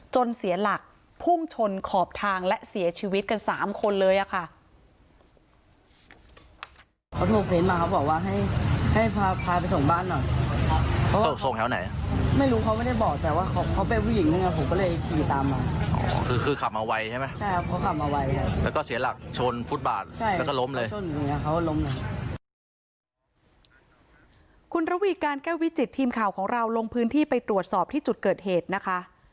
จนเสียหลักพุ่งชนขอบทางและเสียชีวิตกันสามคนเลยอ่ะค่ะ